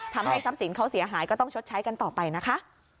ทำให้ทรัพย์สินเขาเสียหายก็ต้องชดใช้กันต่อไปนะคะ